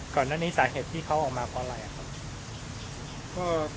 ก่อนหน้านี้สาเหตุที่เขาออกมาเพราะอะไรครับ